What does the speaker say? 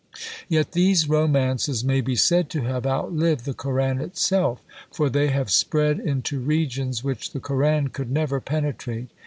Yet these romances may be said to have outlived the Koran itself; for they have spread into regions which the Koran could never penetrate.